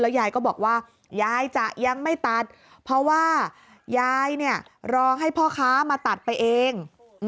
ยายก็บอกว่ายายจะยังไม่ตัดเพราะว่ายายเนี่ยรอให้พ่อค้ามาตัดไปเอง